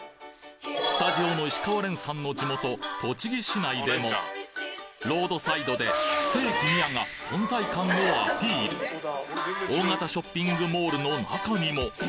スタジオの石川恋さんの地元・栃木市内でもロードサイドでステーキ宮が存在感をアピール大型ショッピングモールの中にも！